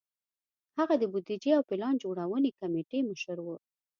هغه د بودیجې او پلان جوړونې کمېټې مشر و.